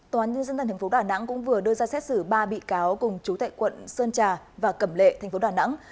tòa án nhân dân thành tp đà nẵng cũng vừa đưa ra xét xử ba bị cáo cùng chú thệ quận sơn trà và cẩm lệ tp đà nẵng